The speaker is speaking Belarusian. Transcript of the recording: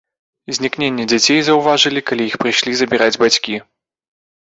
Знікненне дзяцей заўважылі, калі іх прыйшлі забіраць бацькі.